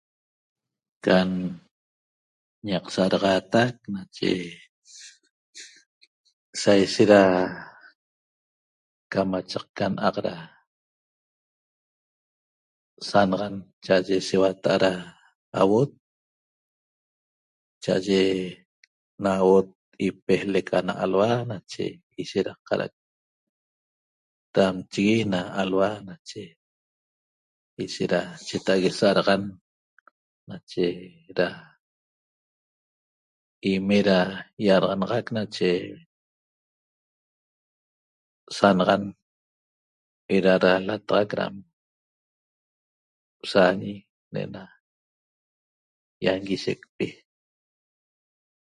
Can ñaq sa'adaxaatac nache sa saishet da camachaqca na'a'q da sanaxan cha'aye sevata'a da auot cha'aye na auot ipejlec ana alhua nache ishet da cada'ac damchigui ana alhua nache ishet da cheta'ague sa'adaxan nache da ime' da ýi'adaxanaxac nache sanaxan eda da lataxac dam saañi ne'na ýanguishecpi